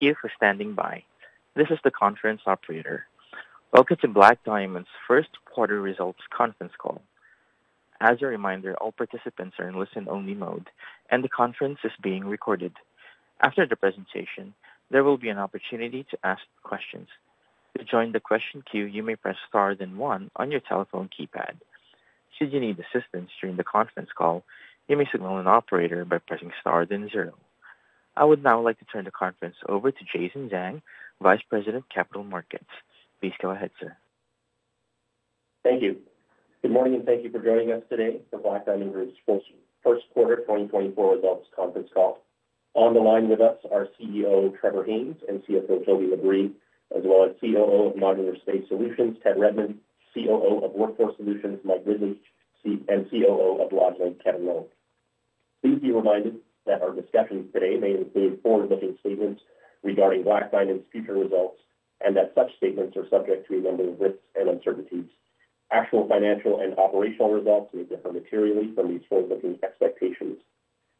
Thank you for standing by. This is the conference operator. Welcome to Black Diamond's First Quarter Results Conference Call. As a reminder, all participants are in listen-only mode, and the conference is being recorded. After the presentation, there will be an opportunity to ask questions. To join the question queue, you may press Star, then one on your telephone keypad. Should you need assistance during the conference call, you may signal an operator by pressing Star, then zero. I would now like to turn the conference over to Jason Zhang, Vice President of Capital Markets. Please go ahead, sir. Thank you. Good morning, and thank you for joining us today for Black Diamond Group's First Quarter 2024 Results Conference Call. On the line with us are CEO Trevor Haynes and CFO Toby LaBrie, as well as COO of Modular Space Solutions Ted Redmond, COO of Workforce Solutions Mike Ridley, and COO of LodgeLink Kevin Lo. Please be reminded that our discussions today may include forward-looking statements regarding Black Diamond's future results and that such statements are subject to a number of risks and uncertainties. Actual financial and operational results may differ materially from these forward-looking expectations.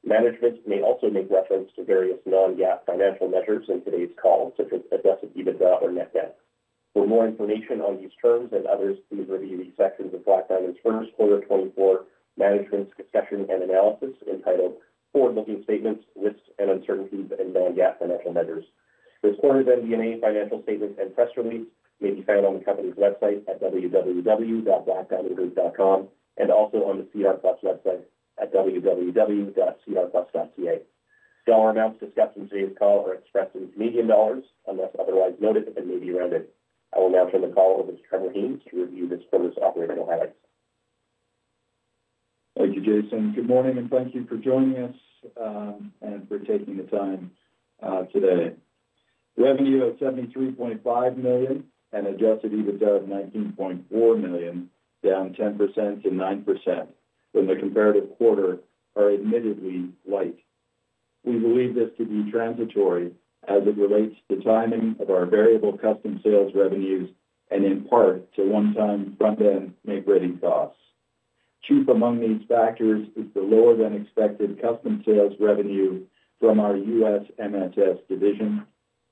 Management may also make reference to various non-GAAP financial measures in today's call, such as adjusted EBITDA or net debt. For more information on these terms and others, please review the sections of Black Diamond's first quarter 2024 Management's Discussion and Analysis entitled Forward-Looking Statements, Risks and Uncertainties and Non-GAAP Financial Measures. This quarter's MD&A financial statements and press release may be found on the company's website at www.blackdiamondgroup.com, and also on the SEDAR+ website at www.sedarplus.ca. Dollar amounts discussed in today's call are expressed in million dollars unless otherwise noted at the review end. I will now turn the call over to Trevor Haynes to review this quarter's operational highlights. Thank you, Jason. Good morning, and thank you for joining us, and for taking the time, today. Revenue of 73.5 million and Adjusted EBITDA of 19.4 million, down 10% to 9% from the comparative quarter are admittedly light. We believe this to be transitory as it relates to timing of our variable custom sales revenues and in part to one-time front-end make-ready costs. Chief among these factors is the lower-than-expected custom sales revenue from our U.S. MSS division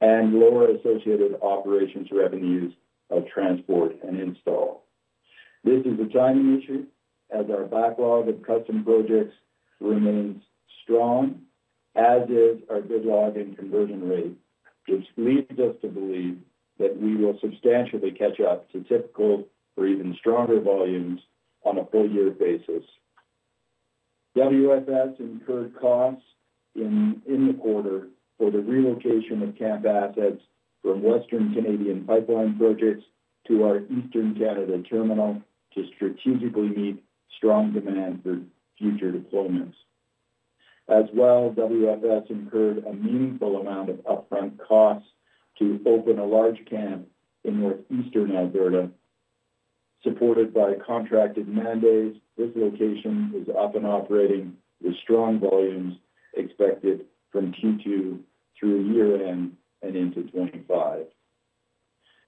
and lower associated operations revenues of transport and install. This is a timing issue as our backlog of custom projects remains strong, as is our bid log and conversion rate, which leads us to believe that we will substantially catch up to typical or even stronger volumes on a full year basis. WFS incurred costs in the quarter for the relocation of camp assets from Western Canada pipeline projects to our Eastern Canada terminal to strategically meet strong demand for future deployments. As well, WFS incurred a meaningful amount of upfront costs to open a large camp in northeastern Alberta, supported by contracted mandates. This location is up and operating, with strong volumes expected from Q2 through year-end and into 2025.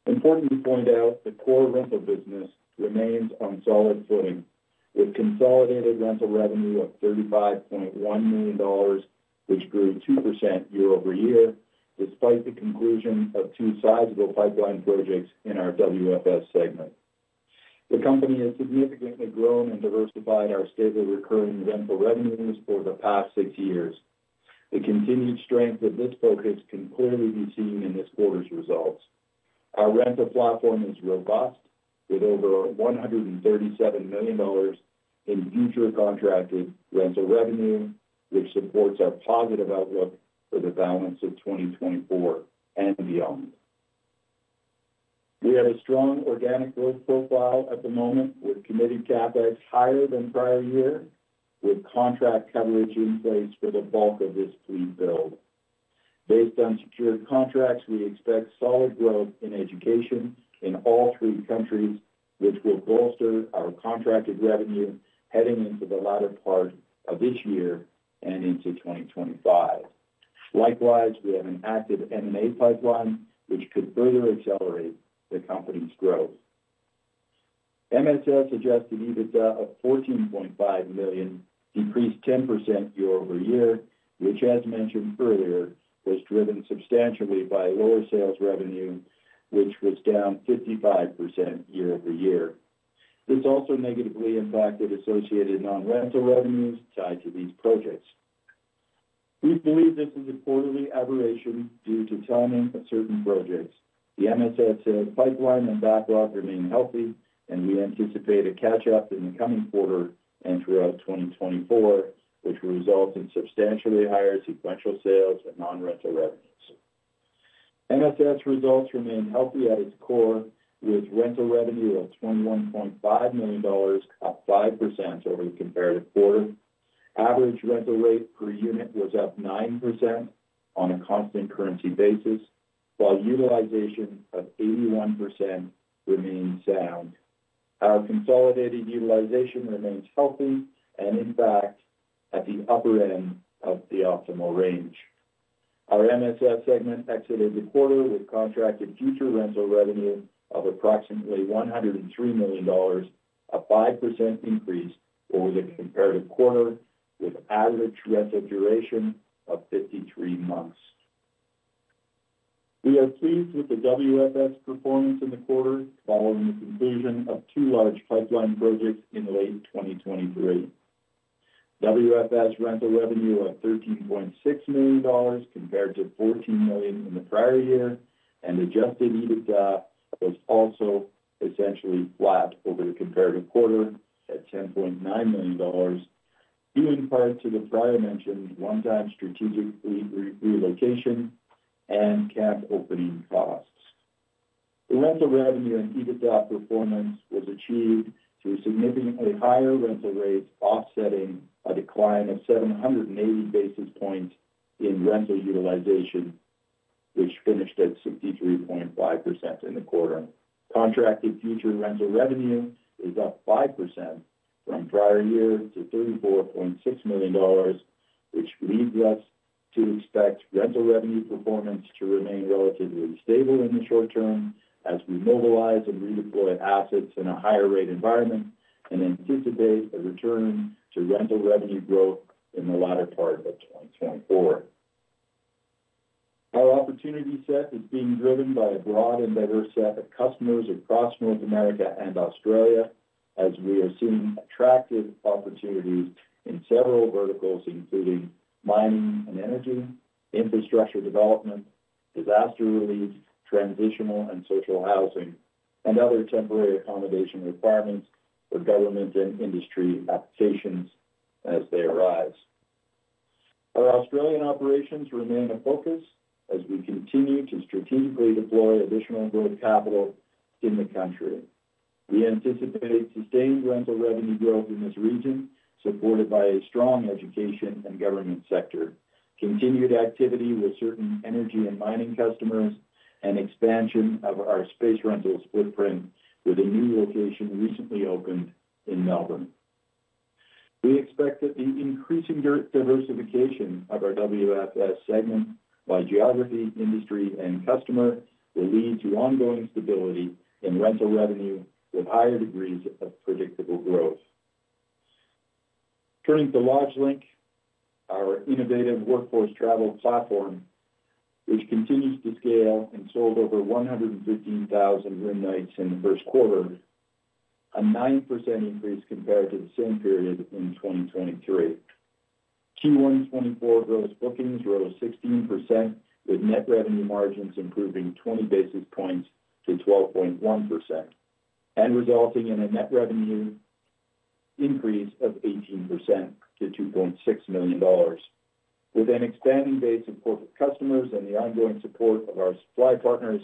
Important to point out, the core rental business remains on solid footing, with consolidated rental revenue of 35.1 million dollars, which grew 2% year-over-year, despite the conclusion of two sizable pipeline projects in our WFS segment. The company has significantly grown and diversified our stable recurring rental revenues for the past six years. The continued strength of this focus can clearly be seen in this quarter's results. Our rental platform is robust, with over 137 million dollars in future contracted rental revenue, which supports our positive outlook for the balance of 2024 and beyond. We have a strong organic growth profile at the moment, with committed CapEx higher than prior year, with contract coverage in place for the bulk of this fleet build. Based on secured contracts, we expect solid growth in education in all three countries, which will bolster our contracted revenue heading into the latter part of this year and into 2025. Likewise, we have an active M&A pipeline, which could further accelerate the company's growth. MSS adjusted EBITDA of 14.5 million, decreased 10% year-over-year, which, as mentioned earlier, was driven substantially by lower sales revenue, which was down 55% year-over-year. This also negatively impacted associated non-rental revenues tied to these projects. We believe this is a quarterly aberration due to timing of certain projects. The MSS pipeline and backlog remain healthy, and we anticipate a catch-up in the coming quarter and throughout 2024, which will result in substantially higher sequential sales and non-rental revenues. MSS results remain healthy at its core, with rental revenue of 21.5 million dollars, up 5% over the comparative quarter. Average rental rate per unit was up 9% on a constant currency basis, while utilization of 81% remains sound. Our consolidated utilization remains healthy and in fact, at the upper end of the optimal range. Our MSS segment exited the quarter with contracted future rental revenue of approximately 103 million dollars, a 5% increase over the comparative quarter, with average rental duration of 53 months. We are pleased with the WFS performance in the quarter following the conclusion of two large pipeline projects in late 2023. WFS rental revenue of 13.6 million dollars, compared to 14 million in the prior year, and Adjusted EBITDA was also essentially flat over the comparative quarter at 10.9 million dollars, due in part to the prior mentioned one-time strategic relocation and camp opening costs. The rental revenue and EBITDA performance was achieved through significantly higher rental rates, offsetting a decline of 780 basis points in rental utilization, which finished at 63.5% in the quarter. Contracted future rental revenue is up 5% from prior year to 34.6 million dollars, which leads us to expect rental revenue performance to remain relatively stable in the short term as we mobilize and redeploy assets in a higher rate environment, and anticipate a return to rental revenue growth in the latter part of 2024. Our opportunity set is being driven by a broad and diverse set of customers across North America and Australia, as we are seeing attractive opportunities in several verticals, including mining and energy, infrastructure development, disaster relief, transitional and social housing, and other temporary accommodation requirements for government and industry applications as they arise. Our Australian operations remain a focus as we continue to strategically deploy additional growth capital in the country. We anticipate sustained rental revenue growth in this region, supported by a strong education and government sector, continued activity with certain energy and mining customers, and expansion of our space rentals footprint, with a new location recently opened in Melbourne. We expect that the increasing diversification of our WFS segment by geography, industry, and customer will lead to ongoing stability in rental revenue with higher degrees of predictable growth. Turning to LodgeLink, our innovative workforce travel platform, which continues to scale and sold over 115,000 room nights in the first quarter, a 9% increase compared to the same period in 2023. Q1 2024 gross bookings rose 16%, with net revenue margins improving 20 basis points to 12.1%, and resulting in a net revenue increase of 18% to 2.6 million dollars. With an expanding base of corporate customers and the ongoing support of our supply partners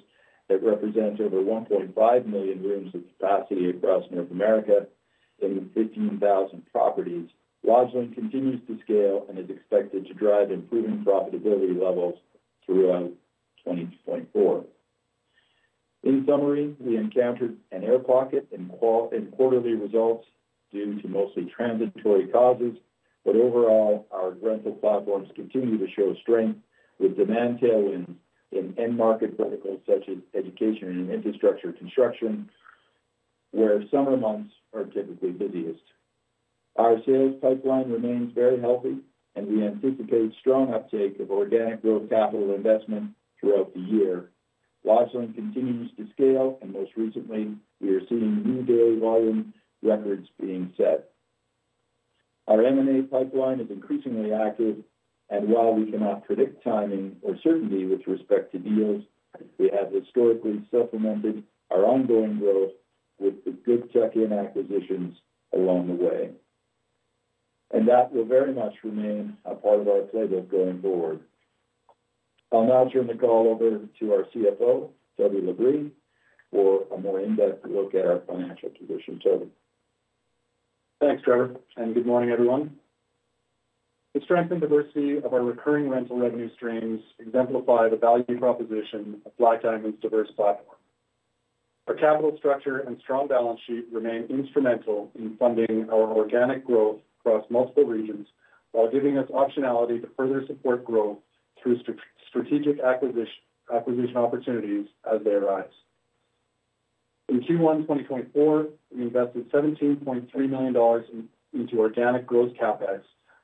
that represents over 1.5 million rooms of capacity across North America in 15,000 properties, LodgeLink continues to scale and is expected to drive improving profitability levels throughout 2024. In summary, we encountered an air pocket in quarterly results due to mostly transitory causes, but overall, our rental platforms continue to show strength, with demand tailwinds in end market verticals such as education and infrastructure construction, where summer months are typically busiest. Our sales pipeline remains very healthy, and we anticipate strong uptake of organic growth capital investment throughout the year. LodgeLink continues to scale, and most recently, we are seeing new day volume records being set. Our M&A pipeline is increasingly active, and while we cannot predict timing or certainty with respect to deals, we have historically supplemented our ongoing growth with the tuck-in acquisitions along the way. That will very much remain a part of our playbook going forward. I'll now turn the call over to our CFO, Toby LaBrie, for a more in-depth look at our financial position. Toby? Thanks, Trevor, and good morning, everyone. The strength and diversity of our recurring rental revenue streams exemplify the value proposition of Black Diamond's diverse platform. Our capital structure and strong balance sheet remain instrumental in funding our organic growth across multiple regions, while giving us optionality to further support growth through strategic acquisition opportunities as they arise. In Q1 2024, we invested 17.3 million dollars into organic growth CapEx,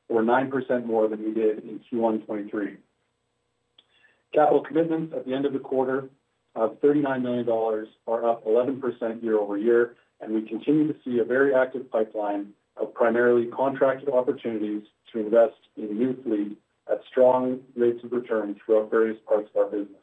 or 9% more than we did in Q1 2023. Capital commitments at the end of the quarter of 39 million dollars are up 11% year-over-year, and we continue to see a very active pipeline of primarily contracted opportunities to invest in new fleet at strong rates of return throughout various parts of our business.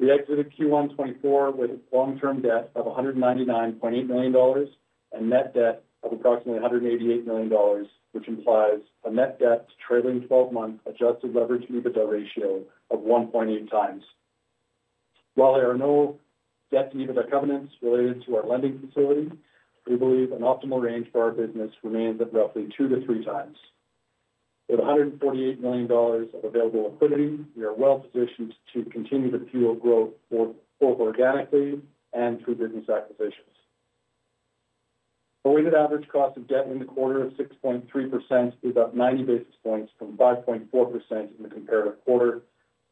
We exited Q1 2024 with long-term debt of 199.8 million dollars and net debt of approximately 188 million dollars, which implies a net debt to trailing 12-month Adjusted EBITDA ratio of 1.8x. While there are no debt to EBITDA covenants related to our lending facility, we believe an optimal range for our business remains at roughly 2-3x. With 148 million dollars of available liquidity, we are well positioned to continue to fuel growth both organically and through business acquisitions. Our weighted average cost of debt in the quarter of 6.3% is up 90 basis points from 5.4% in the comparative quarter,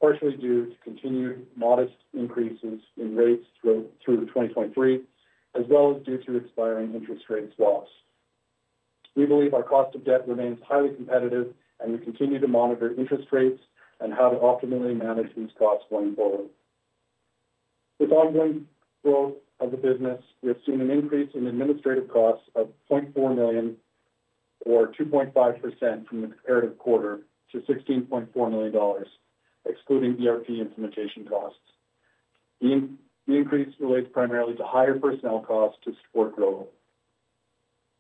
partially due to continued modest increases in rates through to 2023, as well as due to expiring interest rate swaps. We believe our cost of debt remains highly competitive, and we continue to monitor interest rates and how to optimally manage these costs going forward. With ongoing growth of the business, we have seen an increase in administrative costs of 0.4 million, or 2.5% from the comparative quarter, to 16.4 million dollars, excluding ERP implementation costs. The increase relates primarily to higher personnel costs to support growth.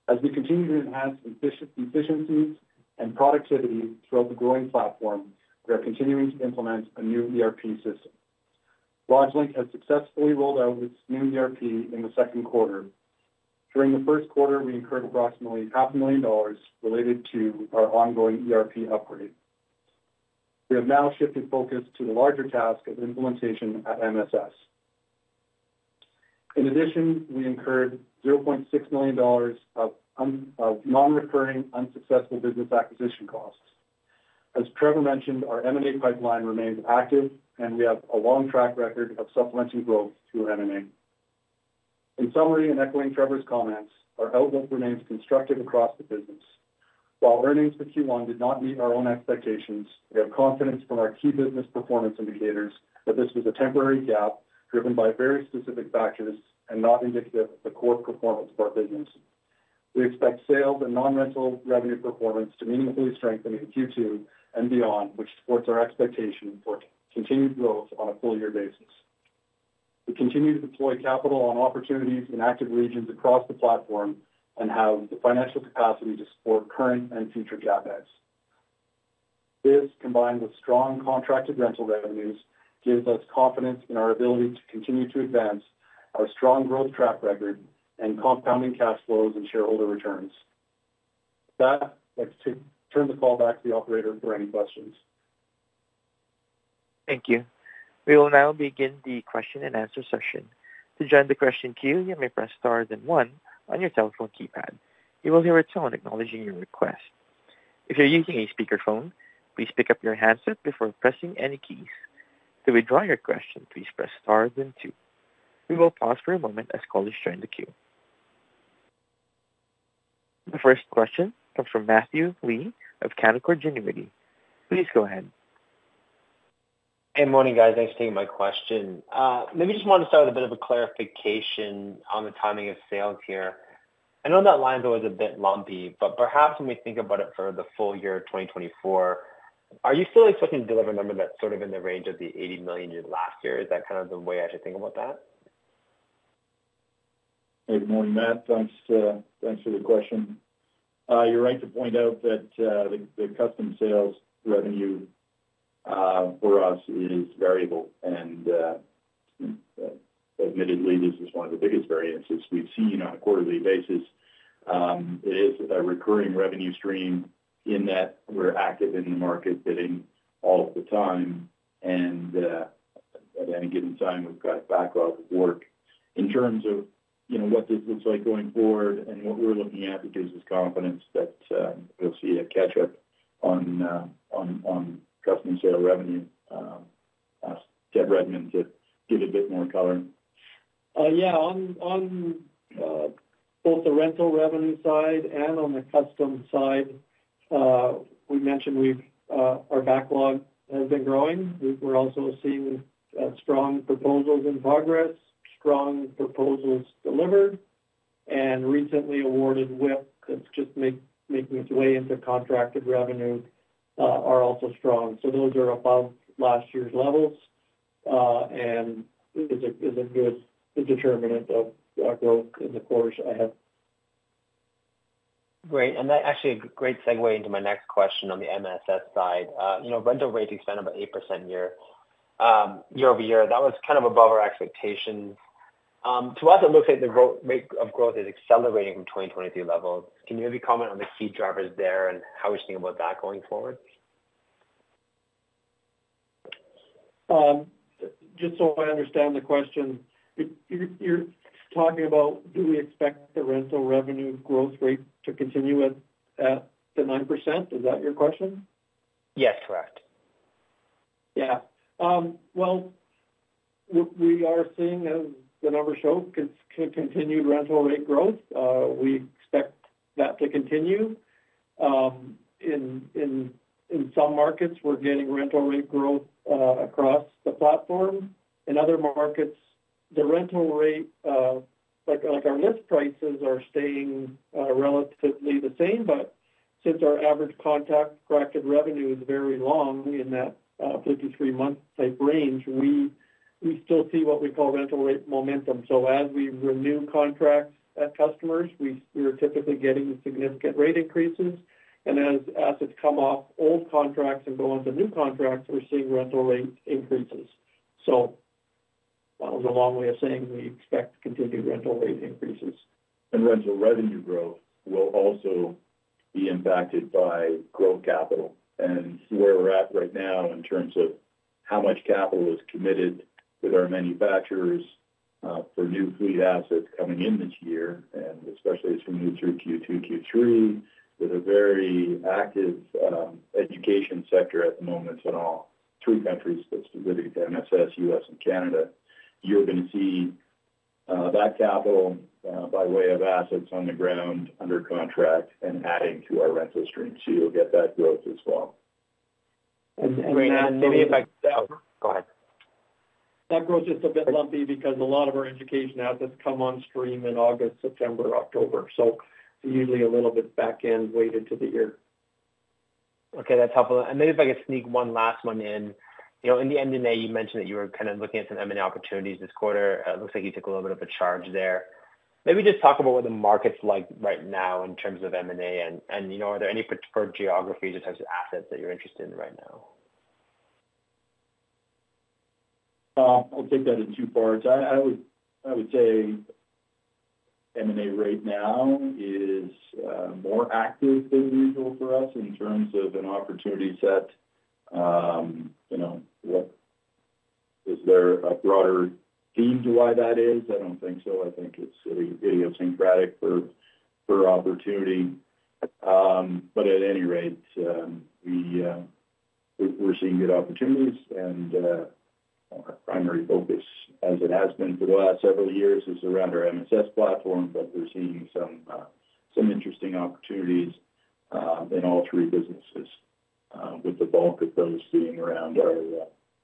As we continue to enhance efficiencies and productivity throughout the growing platform, we are continuing to implement a new ERP system. LodgeLink has successfully rolled out its new ERP in the second quarter. During the first quarter, we incurred approximately 500,000 dollars related to our ongoing ERP upgrade. We have now shifted focus to the larger task of implementation at MSS. In addition, we incurred 0.6 million dollars of nonrecurring unsuccessful business acquisition costs. As Trevor mentioned, our M&A pipeline remains active, and we have a long track record of supplementing growth through M&A. In summary, and echoing Trevor's comments, our outlook remains constructive across the business. While earnings for Q1 did not meet our own expectations, we have confidence from our key business performance indicators that this was a temporary gap driven by very specific factors and not indicative of the core performance of our business. We expect sales and non-rental revenue performance to meaningfully strengthen in Q2 and beyond, which supports our expectation for continued growth on a full-year basis. We continue to deploy capital on opportunities in active regions across the platform and have the financial capacity to support current and future CapEx. This, combined with strong contracted rental revenues, gives us confidence in our ability to continue to advance our strong growth track record and compounding cash flows and shareholder returns. With that, I'd like to turn the call back to the operator for any questions. Thank you. We will now begin the question-and-answer session. To join the question queue, you may press star then one on your telephone keypad. You will hear a tone acknowledging your request. If you're using a speakerphone, please pick up your handset before pressing any keys. To withdraw your question, please press star then two. We will pause for a moment as callers join the queue. The first question comes from Matthew Lee of Canaccord Genuity. Please go ahead. Good morning, guys. Thanks for taking my question. Maybe just want to start with a bit of a clarification on the timing of sales here. I know that line was a bit lumpy, but perhaps when we think about it for the full year of 2024, are you still expecting to deliver a number that's sort of in the range of the 80 million you did last year? Is that kind of the way I should think about that? Good morning, Matt. Thanks, thanks for the question. You're right to point out that, the, the custom sales revenue, for us is variable, and, admittedly, this is one of the biggest variances we've seen on a quarterly basis. It is a recurring revenue stream in that we're active in the market bidding all of the time, and, at any given time, we've got a backlog of work. In terms of, you know, what this looks like going forward and what we're looking at that gives us confidence that, we'll see a catch-up on, on, on custom sale revenue, I'll ask Ted Redmond to give a bit more color. Yeah, on both the rental revenue side and on the custom side, we mentioned we've, our backlog has been growing. We're also seeing strong proposals in progress, strong proposals delivered, and recently awarded work that's just making its way into contracted revenue are also strong. So those are above last year's levels, and is a good determinant of our growth in the quarter so far. Great. That's actually a great segue into my next question on the MSS side. You know, rental rates expanded about 8% year-over-year. That was kind of above our expectations. To us, it looks like the growth rate of growth is accelerating from 2023 levels. Can you maybe comment on the key drivers there and how we should think about that going forward? Just so I understand the question, you're talking about do we expect the rental revenue growth rate to continue at the 9%? Is that your question? Yes, correct. Yeah. Well, we are seeing, as the numbers show, continued rental rate growth. We expect that to continue. In some markets, we're getting rental rate growth across the platform. In other markets, the rental rate, like our list prices are staying relatively the same. But since our average contract contracted revenue is very long in that 53-month type range, we still see what we call rental rate momentum. So as we renew contracts at customers, we are typically getting significant rate increases. And as assets come off old contracts and go onto new contracts, we're seeing rental rate increases. So that was a long way of saying we expect continued rental rate increases. Rental revenue growth will also be impacted by growth capital and where we're at right now in terms of how much capital is committed with our manufacturers for new fleet assets coming in this year, and especially as we move through Q2, Q3, with a very active education sector at the moment in all three countries, that's really the MSS, U.S., and Canada. You're going to see that capital by way of assets on the ground, under contract, and adding to our rental stream. So you'll get that growth as well. Maybe if I- Go ahead. That growth is a bit lumpy because a lot of our education assets come on stream in August, September, October, so usually a little bit back-end weighted to the year. Okay, that's helpful. And maybe if I could sneak one last one in. You know, in the M&A, you mentioned that you were kind of looking at some M&A opportunities this quarter. It looks like you took a little bit of a charge there. Maybe just talk about what the market's like right now in terms of M&A, and, and, you know, are there any preferred geographies or types of assets that you're interested in right now? I'll take that in two parts. I would say M&A right now is more active than usual for us in terms of an opportunity set. You know, what... Is there a broader theme to why that is? I don't think so. I think it's idiosyncratic per opportunity. But at any rate, we're seeing good opportunities, and our primary focus, as it has been for the last several years, is around our MSS platform, but we're seeing some interesting opportunities in all three businesses, with the bulk of those being around our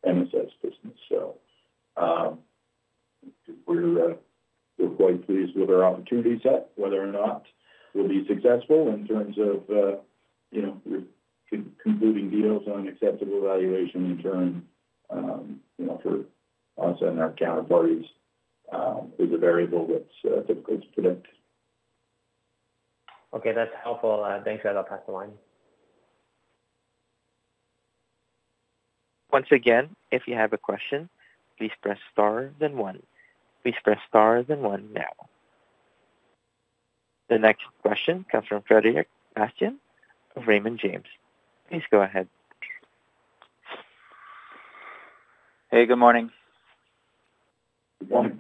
MSS business. We're quite pleased with our opportunity set, whether or not we'll be successful in terms of, you know, concluding deals on acceptable valuation and terms, you know, for us and our counterparties, is a variable that's difficult to predict. Okay, that's helpful. Thanks for that. I'll pass the line. Once again, if you have a question, please press Star, then one. Please press Star then one now. The next question comes from Frederic Bastien of Raymond James. Please go ahead. Hey, good morning. Good morning.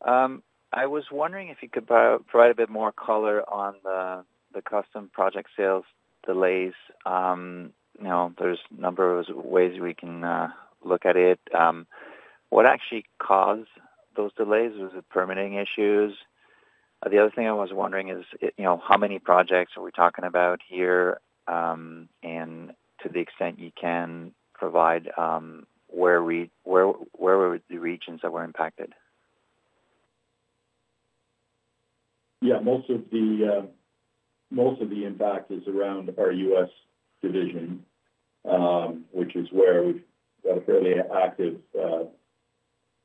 I was wondering if you could provide a bit more color on the custom project sales delays. You know, there's a number of ways we can look at it. What actually caused those delays? Was it permitting issues? The other thing I was wondering is, you know, how many projects are we talking about here? And to the extent you can provide, where were the regions that were impacted? Yeah, most of the, most of the impact is around our U.S. division, which is where we've got a fairly active,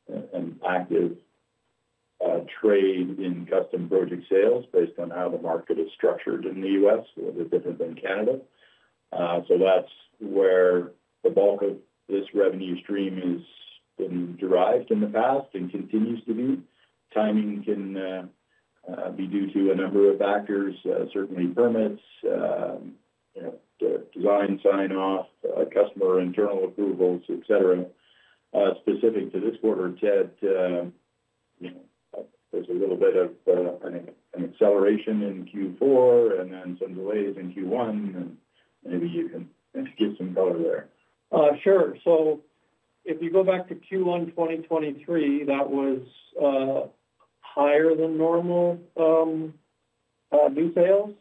an active trade in custom project sales based on how the market is structured in the U.S. A little bit different than Canada. So that's where the bulk of this revenue stream is been derived in the past and continues to be. Timing can be due to a number of factors, certainly permits, you know, design sign-off, customer internal approvals, et cetera. Specific to this quarter, Ted, you know, there's a little bit of, an, an acceleration in Q4 and then some delays in Q1, and maybe you can give some color there. Sure. So if you go back to Q1 2023, that was higher than normal new sales.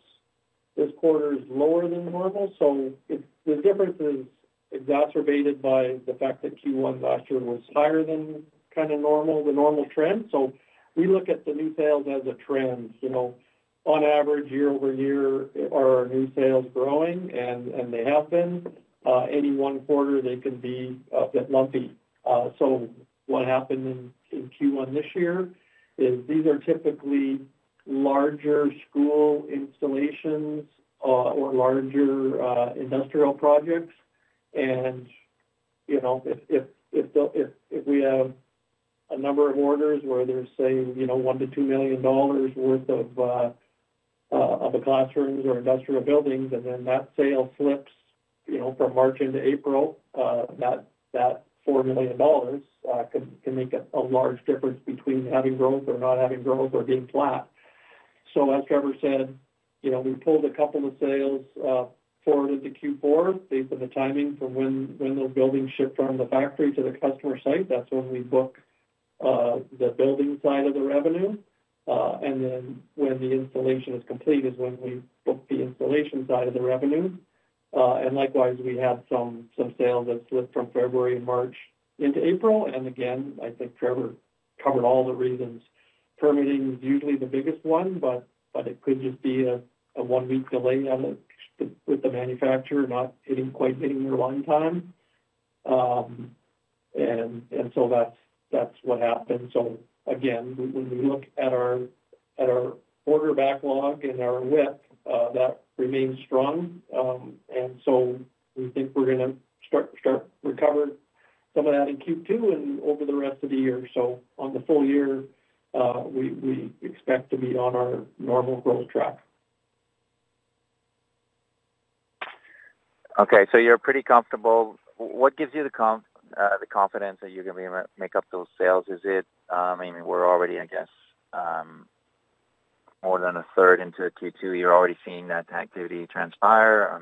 This quarter is lower than normal, so it's... The difference is exacerbated by the fact that Q1 last year was higher than kind of normal, the normal trend. So we look at the new sales as a trend, you know. On average, year-over-year, are our new sales growing? And they have been. Any one quarter, they can be a bit lumpy. So what happened in Q1 this year is these are typically larger school installations or larger industrial projects. You know, if we have a number of orders where there's, say, you know, CAD 1-$2 million worth of classrooms or industrial buildings, and then that sale slips, you know, from March into April, that 4 million dollars can make a large difference between having growth or not having growth or being flat. So as Trevor said, you know, we pulled a couple of sales forward into Q4 based on the timing for when those buildings ship from the factory to the customer site. That's when we book the building side of the revenue. And then when the installation is complete is when we book the installation side of the revenue. And likewise, we had some sales that slipped from February and March into April. And again, I think Trevor covered all the reasons. Permitting is usually the biggest one, but it could just be a one-week delay with the manufacturer not quite hitting their line time. So that's what happened. So again, when we look at our order backlog and our WIP, that remains strong. And so we think we're gonna start recover some of that in Q2 and over the rest of the year. So on the full year, we expect to be on our normal growth track. Okay, so you're pretty comfortable. What gives you the confidence that you're gonna be able to make up those sales? Is it, I mean, we're already, I guess, more than a third into Q2, you're already seeing that activity transpire.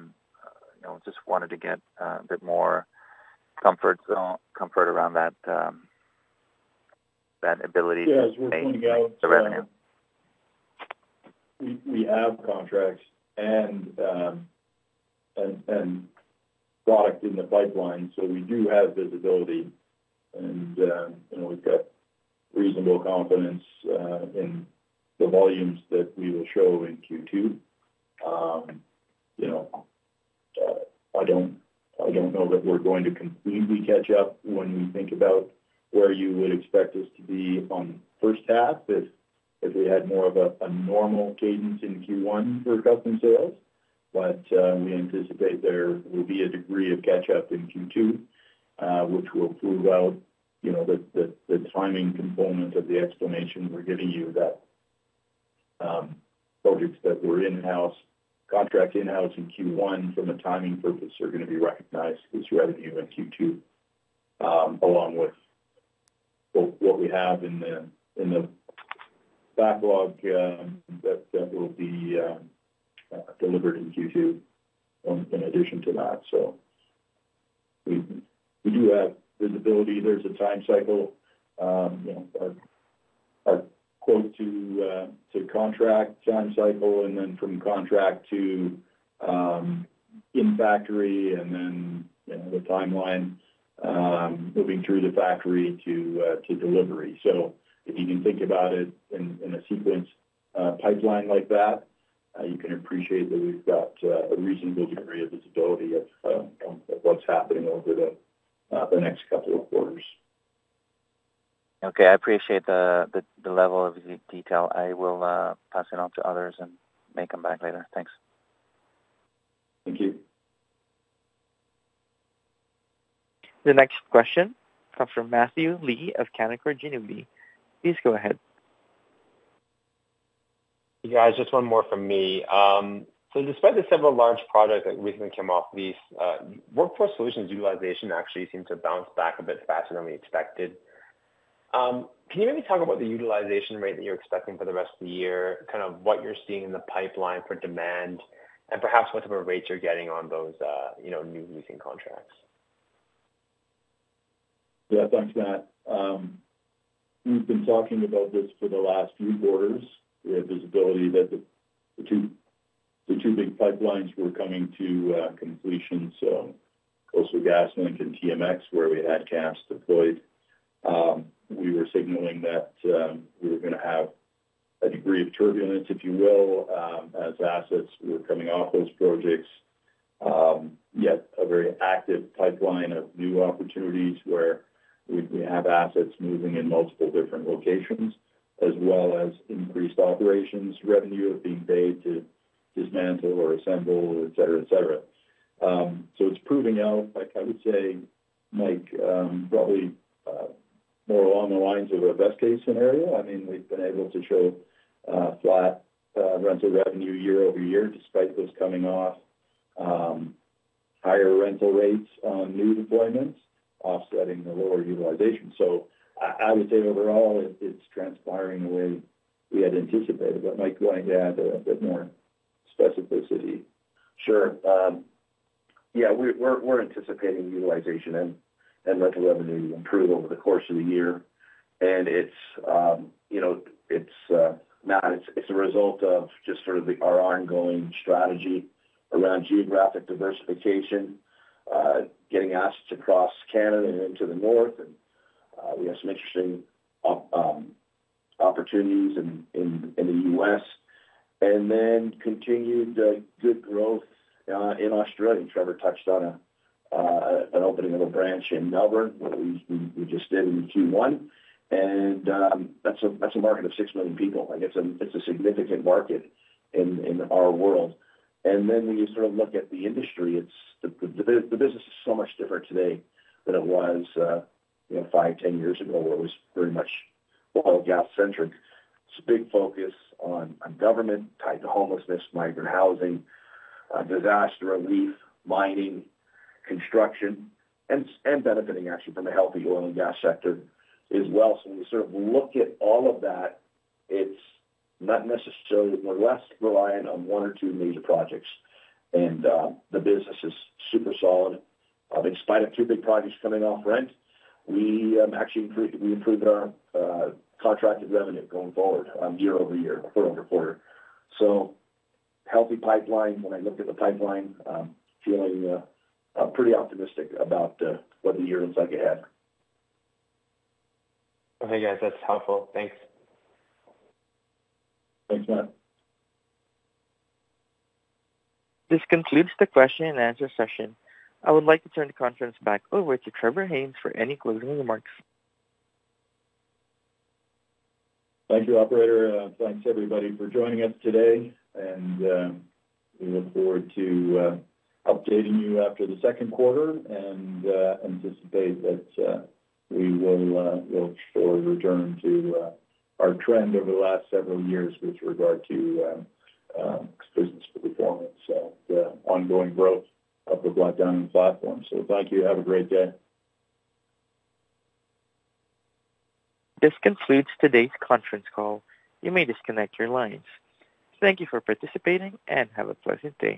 You know, just wanted to get a bit more comfort zone, comfort around that ability to make the revenue. We have contracts and product in the pipeline, so we do have visibility. You know, we've got reasonable confidence in the volumes that we will show in Q2. You know, I don't know that we're going to completely catch up when we think about where you would expect us to be on the first half if we had more of a normal cadence in Q1 for custom sales. We anticipate there will be a degree of catch-up in Q2, which will prove out, you know, the timing component of the explanation we're giving you, that projects that were in-house, contract in-house in Q1 from a timing purpose are gonna be recognized as revenue in Q2, along with what we have in the backlog, that will be delivered in Q2, in addition to that. We do have visibility. There's a time cycle, you know, a quote to contract time cycle, and then from contract to in factory, and then, you know, the timeline moving through the factory to delivery. So if you can think about it in a sequence, pipeline like that, you can appreciate that we've got a reasonable degree of visibility of what's happening over the next couple of quarters. Okay. I appreciate the level of detail. I will pass it on to others and may come back later. Thanks. Thank you. The next question comes from Matthew Lee of Canaccord Genuity. Please go ahead. Yeah, just one more from me. So despite the several large products that recently came off lease, Workforce Solutions utilization actually seemed to bounce back a bit faster than we expected. Can you maybe talk about the utilization rate that you're expecting for the rest of the year, kind of what you're seeing in the pipeline for demand, and perhaps what type of rates you're getting on those, you know, new leasing contracts? Yeah, thanks, Matt. We've been talking about this for the last few quarters. We have visibility that the two big pipelines were coming to completion, so Coastal GasLink and TMX, where we had camps deployed. We were signaling that we were gonna have a degree of turbulence, if you will, as assets were coming off those projects. Yet a very active pipeline of new opportunities where we have assets moving in multiple different locations, as well as increased operations revenue being paid to dismantle or assemble, et cetera, et cetera. So it's proving out, like I would say, Mike, probably more along the lines of our best case scenario. I mean, we've been able to show flat rental revenue year-over-year, despite those coming off higher rental rates on new deployments offsetting the lower utilization. So I would say overall, it's transpiring the way we had anticipated. But Mike, do you want to add a bit more specificity? Sure. Yeah, we're anticipating utilization and rental revenue to improve over the course of the year. And it's, you know, Matt, it's a result of just sort of our ongoing strategy around geographic diversification, getting assets across Canada and into the north. And we have some interesting opportunities in the U.S., and then continued good growth in Australia. Trevor touched on an opening of a branch in Melbourne, where we just did in Q1, and that's a market of 6 million people, and it's a significant market in our world. And then when you sort of look at the industry, it's... The business is so much different today than it was, you know, 5, 10 years ago, where it was very much oil and gas-centric. It's a big focus on government, tied to homelessness, migrant housing, disaster relief, mining, construction, and benefiting actually from a healthy oil and gas sector as well. So when you sort of look at all of that, it's not necessarily, we're less reliant on 1 or 2 major projects, and the business is super solid. In spite of 2 big projects coming off rent, we actually improved, we improved our contracted revenue going forward, year-over-year, quarter-over-quarter. So healthy pipeline. When I look at the pipeline, I'm feeling pretty optimistic about what the year looks like ahead. Okay, guys, that's helpful. Thanks. Thanks, Matt. This concludes the question and answer session. I would like to turn the conference back over to Trevor Haynes for any closing remarks. Thank you, operator, and thanks everybody for joining us today. We look forward to updating you after the second quarter and anticipate that we'll sort of return to our trend over the last several years with regard to business performance, so the ongoing growth of the Black Diamond platform. So thank you. Have a great day. This concludes today's conference call. You may disconnect your lines. Thank you for participating, and have a pleasant day.